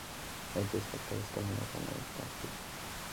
Hay tres factores que amenazan a esta especie.